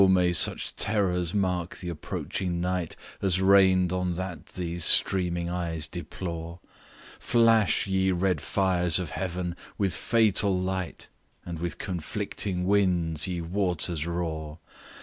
may such terrors mark the approaching night As reign'd on that these streaming eyes deplore! Flash, ye red fires of heaven, with fatal light, And with conflicting winds ye waters roar!